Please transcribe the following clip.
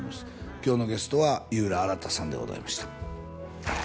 今日のゲストは井浦新さんでございました